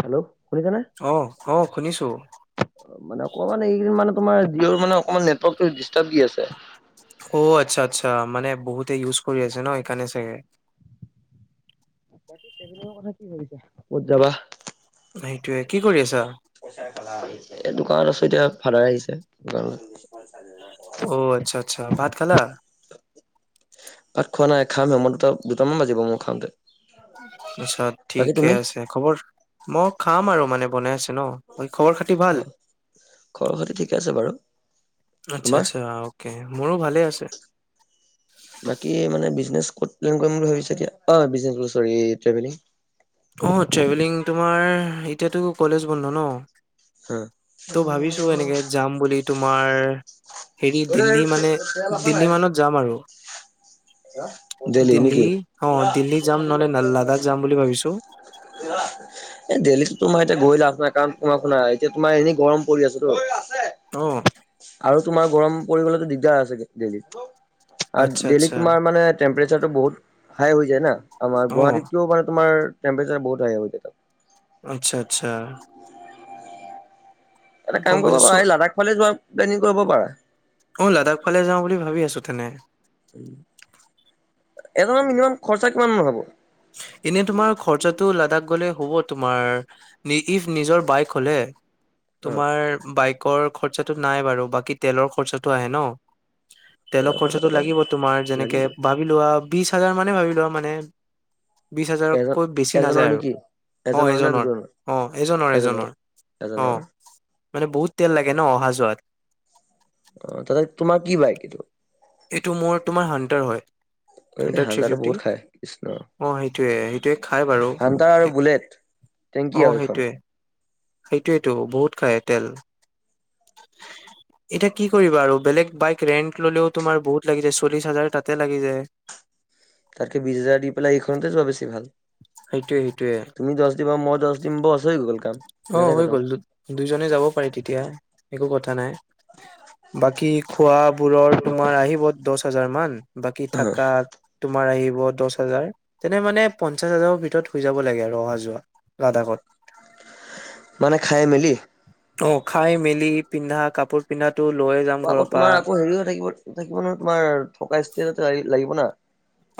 Hello! শুনিছা নে! অ, অ, শুনিছো। মানে অকমান এইকেইদিন মানে তোমাৰ জিঅ'ৰ মানে অকমান নেটৰ্কটো ডিছটাৰ্ব দি আছে। অ, আচ্ছা, আচ্ছা। মানে বহুতে ইউজ কৰি আছে ন, সেইকাৰণে চাগে। বাকী, ট্ৰেভেলিঙৰ কথা কি ভাবিছা? ক'ত যাবা? সেইটোৱে, কি কৰি আছা? এই দোকানত আছো এতিয়া, ফাদাৰ আহিছে দোকানত। অ, আচ্ছা, আচ্ছা। ভাত খালা? ভাত খোৱা নাই, খাম হে। মই দুটা-দুটামান বাজিব মোৰ খাওঁতে। [unintelligible] বাকী ঠিকে তুমি? আছে, খবৰ। মইও খাম আৰু বনাই আছে ন। বাকী, খবৰ-খাতি ভাল? অ' খবৰ খাতি ঠিকে আছে বাৰু। আচ্ছা, তোমাৰ? আচ্ছা। অ। মোৰো ভালে আছে। বাকী, মানে বিজনেছ ক'ত প্লেন কৰিম বুলি ভাবিছে এতিয়া? অ, বিজনেছ বোলে চৰি ট্ৰেভেলিং? অঁ, ট্ৰেভেলিং তোমাৰ, এতিয়াতো কলেজ বন্ধ ন! অ' ত', ভাবিছো এনেকে যাম বুলি তোমাৰ, হেৰি দিল্লী মানে, দিল্লী মানত যাম আৰু। [inaudible] দেল্লী নেকি! দিল্লী [unintelligible] অ', দিল্লী যাম নহ'লে লাডাখ যাম বুলি ভাবিছো এ, দেল্লীততো তোমাৰ এতিয়া গৈ লাভ নাই, কাৰণ তোমাৰ শুনা, এতিয়া তোমাৰ এনেই গৰম পৰি আছেতো। অ', আৰু তোমাৰ গৰম পৰিব গ'লেতো দিগদাৰ আছেগে দেল্হীত। আচ্ছা আৰু দেল্হীত আচ্ছা তোমাৰ মানে টেম্পাৰেচাৰটো বহুত হাই হৈ যায় না। আমাৰ অ'। গুৱাহাটীতকেও মানে তোমাৰ টেম্পৰেচাৰ বহুত হাই হৈ যায়। আচ্ছা, আচ্ছা। এটা কাম গম কৰিব পাইছো চ পাৰা, এই লাডাখ ফালে যোৱা প্লেনিং কৰিব পাৰা। অ, লাডাখ ফালে যাওঁ বুলি ভাবি আছো তেনে। [inaudible] এজনৰ মিনিমাম খৰচা কিমান মান হ'ব? এনে তোমাৰ খৰচাটো লাডাখ গ'লে হ'ব তোমাৰ [unintelligible] নিজৰ বাইক হ'লে তোমাৰ বাইকৰ খৰচাটো নাই বাৰু, বাকী তেলৰ খৰচাটো আহে ন! তেলৰ খৰচাটো লাগিব তোমাৰ, যেনেকে লাগিবই ভাবি লোৱা, বিশ হাজাৰ মানে ভাবি লোৱা, মানে বিশ হাজাৰতকৈ বেছি নাযায় এজন-এজনৰ আৰু নেকি! এজনৰ নে দুজনৰ, এজনৰ? অ এজনৰ। মানে বহুত তেল লাগে ন, অহা-যোৱাত! [unintelligible] তোমাৰ কি বাইক? এইটো মোৰ তোমাৰ হান্তাৰ হয়। [inaudible] এই হানড্ৰেড থ্ৰী হান্টাৰে ফিফটি বহুত খাই, কৃষ্ণ। অ সেইটোয়ে সেইটোয়ে খাই বাৰু হান্টাৰ আৰু এক- বুলেট টেংকি আৰু এইখন। সেইটোৱেতো বহুত খাই তেল। [inaudible] এতিয়া কি কৰিবা আৰু বেলেগ বাইক ৰেন্ট ললেও তোমাৰ বহুত লাগি যায়, চল্লিশ হাজাৰ তাতে লাগি যায়। তাতকে বিশ হাজাৰ দি পেলাই এইখনতে যোৱা বেছি ভাল। সেইটোৱে সেইটোৱে। তুমি দশ দিবা, মই দশ দিম বচ হৈ গ'ল। কাম অঁ নাথাকে হৈ গ'ল, খতম দু দুইজনে যাব পাৰি তেতিয়া, একো কথা নাই। বাকী খোৱা বোৰৰ তোমাৰ আহিব দশ হাজাৰ মান। বাকী থাকা। তোমাৰ আহিব দশ হাজাৰ, তেনে মানে পঞ্চাশ হাজাৰৰ ভিতৰত হৈ যাব লাগে আৰু অহা যোৱা লাডাখত। মানে খাই মেলি? অঁ, খাই মেলি পিন্ধা কাপোৰ পিন্ধাটো লৈয়ে যাম ঘৰৰ পা। অঁ হেৰিও থাকিব। থাকিব নহয় তোমাৰ থকা ষ্টেজ এটা লাগিব না।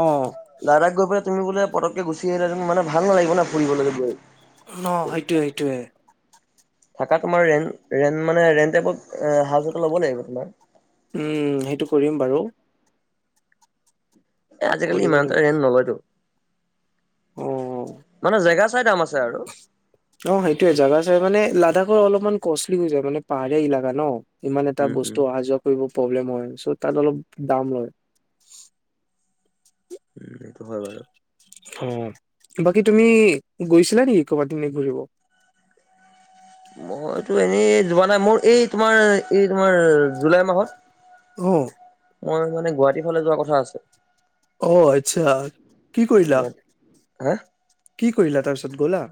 অঁ। লাডাখ গৈ পেলাই তুমি বোলে পতকে গুচি আহিলা, তুমি মানে ভাল নালাগিব না ফুৰিবলৈ গৈ। ন সেইটোৱে সেইটোৱে। থাকা তোমাৰ ৰেন ৰেন মানে ৰেণ্ট টাইপৰ হাউচ এটা ল'ব লাগিব তোমাৰ। উম, সেইটো কৰিম বাৰু। এ আজিকালি কৰিব ইমান এটা লাগিব ৰেণ্ট নলয়তো। অ। অ। মানে জেগা চাই দাম আছে আৰু। অঁ, সেইটোৱে জেগা চাই মানে লাডাখৰ অলপমান কষ্টলি হৈ যায় মানে পাহাৰীয়া ইলাকা হয় ন। ইমান এটা উম উম বস্তু অহা যোৱা কৰিব প্ৰব্লেম হয়, চ' তাত অলপ দাম লয়। উম' এইটো হয় বাৰু। অঁ, বাকী তুমি গৈছিলা নেকি ক'ৰবাত ইনে ঘূৰিব? মইতো এনেই যোৱা নাই, মোৰ এই তোমাৰ এই তোমাৰ জুলাই মাহত। অঁ। মই মানে গুৱাহাটীৰ ফালে যোৱা কথা আছে। অঁ আচ্ছা, কি কৰিলা? গুৱাহাটী হা। কি কৰিলা তাৰপিছত গ'লা?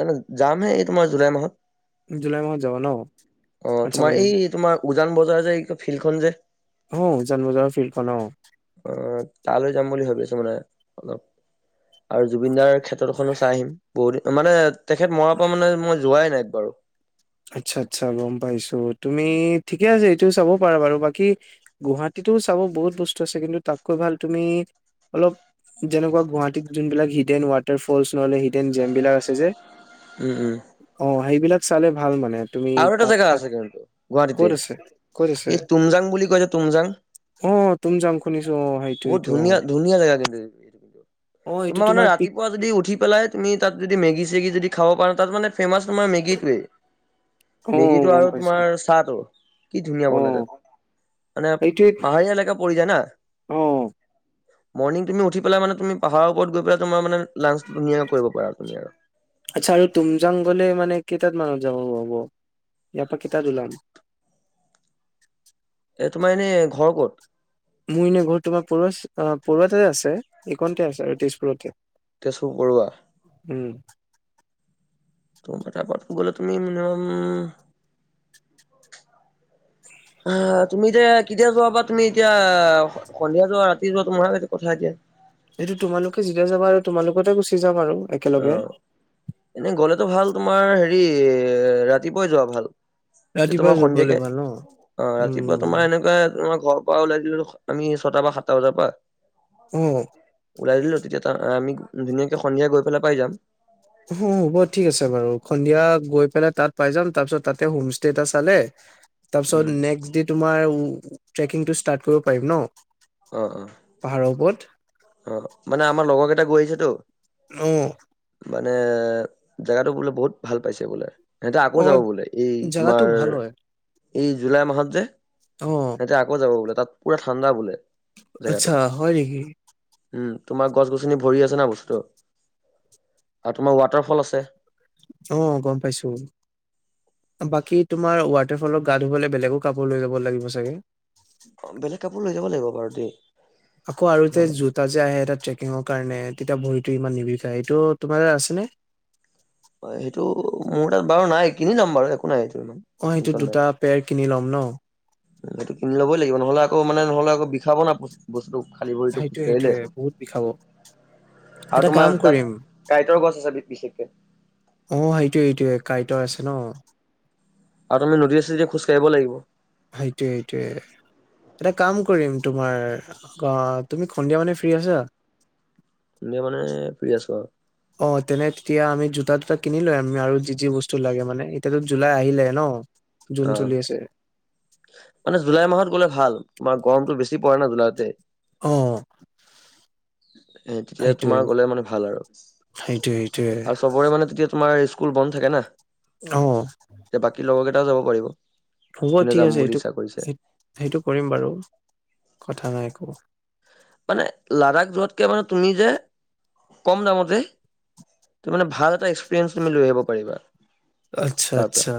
নাই নাই যামহে এই তোমাৰ জুলাই মাহত। জুলাই মাহত যাবা ন, অ আচ্ছা তোমাৰ মানে এই তোমাৰ উজান বজাৰ যে এই ফিল্ডখন যে, অঁ, উজান বজাৰৰ ফিল্ডখন অঁ। অঁ, তালৈ যাম বুলি ভাবি আছোঁ মানে অলপ। আৰু জুবিন দাৰ ক্ষেত্ৰতখনো চাই আহিম বহুত দিন মানে তেখেত মৰাৰ পা মানে মই যোৱাই নাই একবাৰু। আচ্ছা আচ্ছা গম পাইছোঁ তুমি ঠিকে আছে, এইটো চাব পাৰা বাৰু বাকী গুৱাহাটীতো চাব বহুত বস্তু আছে কিন্তু তাতকৈ ভাল তুমি অলপ যেনেকুৱা গুৱাহাটীত যোনবিলাক হিডেন ৱাটাৰ ফলচ নহ'লে হিডেন জেম বিলাক আছে যে, উম উম। অঁ, সেইবিলাক চালে ভাল মানে। তুমি আৰু এটা তাত জেগা খা আছে কিন্তু ক'ত গুৱাহাাটীতে আছে? ক'ত আছে? এই তুমজাং বুলি কৈ যে তুমজাং। অ' তুমজাং শুনিছো অ' সেইটো বহুত সেইটো ধুনীয়া অ'। ধুনীয়া জেগা কিন্তু সেইটো। অ' এইটো তোমাৰ মানে পিক যদি উঠি পেলাই তুমি তাত যদি মেগি চেগি যদি খাব পৰা, তাত মানে ফেমাচ তোমাৰ মেগীটোৱে। অ' মেগীটো গম আৰু পাইছো তোমাৰ চাহ টো, কি ধুনীয়া বনাই অ' তাত। মানে, সেইটোৱে পাহাৰীয়া এলেকা পৰি যায় না। অ' মৰ্নিং তুমি উঠি পেলাই মানে তুমি পাহাৰৰ ওপৰত গৈ পেলাই তোমাৰ মানে লাঞ্চ ধুনাকৈ কৰিব পাৰা তুমি আৰু। আচ্ছা আৰু তুমজাং গ'লে মানে কেইটাত মানত যাব হ'ব ইয়াৰপা কেইটাত মানত ওলাম। এ তোমাৰ এনে ঘৰ ক'ত? মোৰ এনে ঘৰ তোমাৰ পৰৱা পৰোৱাতে আছে, এইকণতে আছে আৰু তেজপুৰতে। তেজপুৰ পৰোৱা? উম। তোমালোকৰ তাৰ পৰা গ'লে মিনিমাম অ', তুমি এতিয়া কেতিয়া যোৱা বা তুমি এতিয়া সন্ধিয়া যোৱা, ৰাতি যোৱা তোমাৰ কথা এতিয়া। এইটো তোমালোকে যেতিয়া যাবা আৰু তোমালোকৰ লগতে গুচি যাম আৰু। একেলগে অ', এনেই গ'লেতো ভাল তোমাৰ হেৰি ৰাতিপুৱাই যোৱা ভাল। এতিয়া ৰাতিপুৱা তোমাৰ য- গলে সন্ধিয়াকে, ভাল ন অ', ৰাতিপুৱা উম তোমাৰ এনেকুৱা তোমাৰ ঘৰ পৰা ওলাই দিলো আমি ছটা বা সাতটা বজাৰ পা অ ওলাই দিলো তেতিয়া আমি ধুনীয়াকে সন্ধিয়া গৈ পেলাই পাই যাম। অ', হ'ব ঠিক আছে বাৰু, সন্ধিয়া গৈ পেলাই তাত পাই যাম তাৰপিছত তাতে হ'ম ষ্টে এটা চালে তাৰপিছত উম নেক্সট ডে' তোমাৰ ট্ৰেকিংটো ষ্টাট কৰিব পাৰিম ন? অ', অ'। পাহাৰ ওপৰত। অ', মানে আমাৰ লগৰ কেইটা গৈ আহিছেটো। ও'। মানে জেগটো বোলে বহুত ভাল পাইছে বোলে। সিহঁতে আকৌ অ যাব বোলে, এই জাগাটো তোমাৰ ভাল হয় এই জুলাই মাহত যে অ সিহঁতে আকৌ যাব বোলে, তাত পুৰা ঠাণ্ডা বোলে। জেগাটো। আচ্ছা হয় নেকি? উম, তোমাৰ গছ গছনি ভৰি আছে না বস্তুটো, আৰু তোমাৰ ৱাটাৰ ফ'ল আছে। অ', গ'ম পাইছোঁ। বাকী তোমাৰ ৱাটাৰ ফ'লত গা ধুবলৈ বেলেগো কাপোৰ লৈ যাব লাগিব চাগে? অ', বেলেগ কাপোৰ লৈ যাব লাগিব বাৰু দেই। আকৌ আৰু যে নহ'লে জোত তা যে আহে এটা ট্ৰেকিঙৰ কাৰণে, তেতিয়া ভৰিটো ইমান নিবিখাই, এইটো তোমাৰ আছে নে? হয়, সেইটো মোৰ তাত বাৰু নাই কিনি ল'ম বাৰু একো নাই সেইটো ইমান। অ', সইটো টেনচন দুটা পেয়াৰ কিনি ল'ম ন? এইটো কিনি ল'বই লাগিব, নহ'লে আকৌ মানে নহ'ল আকৌ বিষাব না বস্তুটো। খালী ভৰিটো সেইটোয়ে খোজকাঢ়িলে। সেইটোয়ে বহুত বিষাব আৰু এটা কাম তোমাৰ তাত কৰিম কাইটৰ গছ আছে বিশেষকে। অ', সেইটোয়ে এইটোয়ে কাইটৰ আছে ন? আৰু তাতে নদীয়ে চদীয়ে খোজ কৰিব লাগিব। সেটোয়ে সেটোয়ে। এটা কাম কৰিম তোমাৰ অ', তুমি সন্ধিয়া মানে ফ্ৰী আছা? সন্ধিয়া মানে ফ্ৰী আছো আৰু। অ', তেনে তেতিয়া আমি জোতা টোতা কিনি লৈ আহিম আমি আৰু যি যি বস্তু লাগে মানে। এতিয়াতো জুলাই আহিলে ন, জুন অ'। চলি আছে। মানে জুলাই মাহত গ'লে ভাল তোমাৰ গৰমটো বেছি পৰে না জুলাইতে। এ অ তেতিয়া সেইটোয়ে তোমাৰ গ'লে মানে ভাল আৰু। সেইটোয়ে সেইটোয়ে আৰু চবৰে মানে তেতিয়া তোমাৰ স্কুল বন্ধ থাকে না। অ'। এ বাকী লগৰ কেইটাও যাব পাৰিব। হ'ব যোনে ঠিক যাম আছে বুলি সেইটো ইচ্ছা কৰিছে সেই সেইটো কৰিম বাৰু কথা নাই একো। মানে লাডাখ যোৱাতকে মানে তুমি যে কম দামতেই তুমি মানে ভাল এটা এক্সপেৰিয়েঞ্চ তুমি লৈ আহিব পাৰিবা। আচ্ছা তাৰ পৰা আচ্ছা,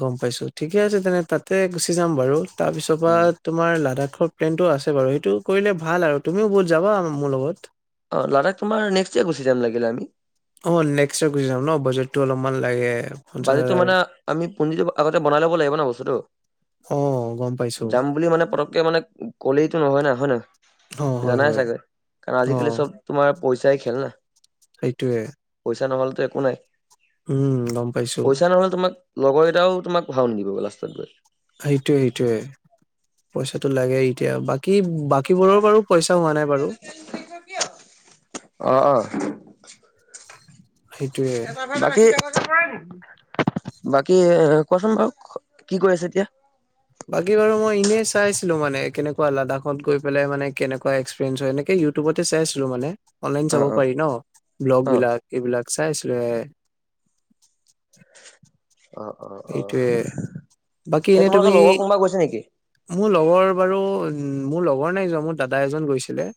গম পাইছো ঠিকে আছে তেনে তাতে গুচি যাম বাৰু। তাৰপিছৰপৰা উম তোমাৰ লাডাখৰ প্লেনটো আছে বাৰু সেইটো কৰিলে ভাল আৰু তুমিও বহুত যাবা মোৰ লগত। অ', লাডখ তোমাৰ নেক্সট ইয়েৰ গুচি যাম লাগিলে আমি। অ', নেক্সট ইয়েৰ গুচি যাম ন, বাজেটটো অলপমান লাগে। পঞ্চাশ বাজেটটো হাজাৰ মানে আমি পুজিটো আগতে বনাই ল'ব লাগিব ন বস্তুটো। অ'। গম পাইছো যাম বুলি মানে পতককে মানে ক'লেইতো নহয় না হয়নাই। অ হয় জানাই হয় চাগৈ কাৰণ অ আজিকালি চব তোমাৰ পইচাই খেল না। সেইটোয়ে। পইচা নহলেতো একো নাই। উম গম পাইছো পইচা নহলে তোমাক লগৰকেইটাও তোমাক ভাও নিদিব গৈ লাষ্টত গৈ। সেইটোয়ে সেইটোয়ে, পইচাটো লাগে এতিয়া বাত কি বাকীবোৰৰ বাৰু পইচা হোৱা নাই বাৰু। অহ অহ। সেইটোয়ে। বাকী বাকী কোৱাচোন বাৰু কি কৰি আছা এতিয়া? বাকী বাৰু মই এনে চাইছিলো মানে কেনেকুৱা লাডাখত গৈ পেলাই মানে কেনেকুৱা এক্সপেৰিয়েঞ্চ হয় এনেকে ইউ তুবতে চাইছিলোঁ মানে অনলাইন চাব অ', অ', পাৰি ন, ব্লগ অ', বিলাক এইবিলাক চাই আছিলো এ অ' অ' অ' এইটোয়ে বাকী এ এনে তুমি তোমালোকৰ লগৰ কোনোবা গৈছে নেকি? মোৰ লগৰ বাৰু উম মোৰ লগৰ নাই যোৱা মোৰ দাদা এজন গৈছিলে।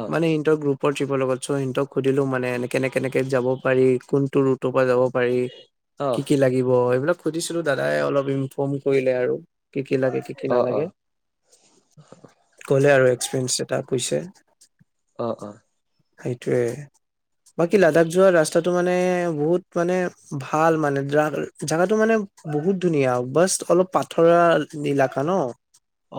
অ', মানে ইণ্টাৰ গ্ৰুপ। ট্ৰিপৰ লগত চ সিহতক সুধিলো মানে এনে কেনে কেনেকে যাব পাৰি কোনটো ৰুটৰ পৰা যাব পাৰি। কি অ', কি লাগিব এইবিলাক সুধিছিলো দাদাই অলপ ইনফৰ্ম কৰিলে আৰু কি কি লাগে কি কি অ', নালাগে অ', ক'লে আৰু এক্সপিৰিয়েঞ্চ এটা কৈছে। অ', অ'। সেইটোৱে। বাকী লাডাখ যোৱাৰ ৰাস্তাটো মানে বহুত মানে ভাল মানে। জাগাটো মানে বহুত ধুনীয়া বাচ অলপ পাথৰুৱা এলেকা ন।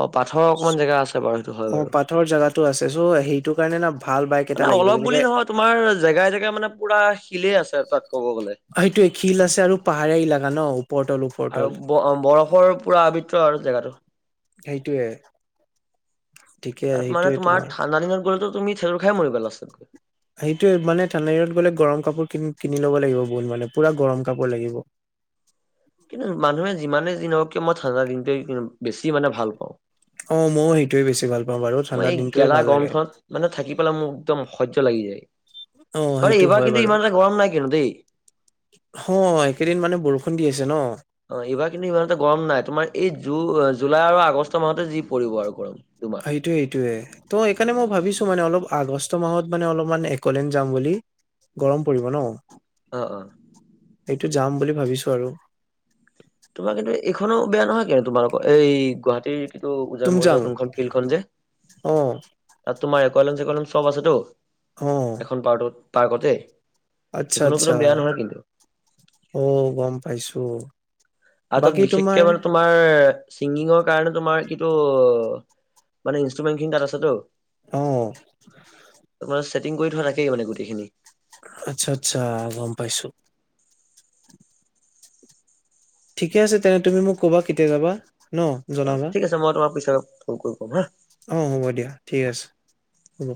অ', পাথৰৰ অকমান জেগা আছে। বাৰু সেইটো হয় অ', বাৰু। পাথৰ জেগাতো আছে চ' সেইটো কাৰণে না ভাল বাইক এটা মানে লাগিব অলপ যেনেকে বুলি নহয় তোমাৰ জেগাই জেগাই মানে পুৰা শিলেই আছে তাত কব গলে। অ', সেইটোৱে শিল আছে আৰু পাহাৰীয়া ইলাকা ন ওপৰ তল উ আৰু ব-বৰফৰ পুৰা আবিত্ৰ আৰু জেগাটো। সেইটোয়ে ঠিকে তাত মানে সেইটোয়ে তোমাৰ ঠাণ্ডা দিনত গ'লেতো তুমি থেৰু খাই মৰিব লাষ্টত। সেইটোৱে মানে ঠাণ্ডা দিনত গ'লে গৰম কাপোৰ কিন কিনি লব লাগিব বহুত মানে পুৰা গৰম কাপোৰ লাগিব। কিন্তু মানুহে যিমানেই যি নহওঁক কিয় মই ঠাণ্ডা দিনটোৱে বেছি মানে ভাল পাওঁ। অ', ময়ো সেইটোৱে বেছি ভাল পাওঁ বাৰু মই ঠাণ্ডা এই দিনটোয়ে গেলা ভাল গৰম লাগে খনত মানে থাকি পেলাই মোৰ একদম অসহ্য লাগি যায়। অ সেইটো এইবাৰ হয় কিন্তু বাৰু ইমান এটা গৰম নাই কিন্তু দেই। অ', এইকেইদিন মানে বৰষুণ দি আছে ন। অ', এইবাৰ কিন্তু ইমান এটা গৰম নাই, তোমাৰ এই জু জুলাই আৰু আগষ্ট মাহতে যি পৰিব আৰু গৰম দুমা সেইটো সেইটোয়ে, টো সেইকৰণে মই ভাবিছো মানে অলপ আগষ্ট মাহত মানে অলপমান একলেন যাম বুলি, গৰম পৰিব ন, অ অ এইটো যাম বুলি ভাবিছো আৰু তোমাৰ কিন্তু এইখনো বেয়া নহয় কিন্তু তোমালোকৰ এই গুৱাহাটীৰ- এইটো উজান তুমজাং বজাৰৰ যোনখন ফিল্ড খন যে, অ তাত তোমাৰ একলেন চেকলেন চব আছেতো অ এখন পাৰ্টত পাৰ্কতে, আচ্ছা সেইখনো আচ্ছা কিন্তু বেয়া নহয় কিন্তু অ গম পাইছো আৰু তাত বাকী তোমাৰ বিশেষকে মানে তোমাৰ চিংগিঙৰ কাৰণে তোমাৰ কিন্তু - মানে ইনষ্ট্ৰুমেণ্ট খিনি তাত আছে তু অ তাত মানে চেটিং কৰি থোৱা থাকেই মানে গোটেইখিনি আচ্ছা আচ্ছা গম পাইছো, ঠিকে আছে তেনে তুমি মোক ক'বা কেতিয়া যাবা, ন অ জনাবা ঠিক আছে মই তোমাক পিছত ফোন কৰি ক'ম হা, অ হ'ব দিয়া ঠিক আছে হ'ব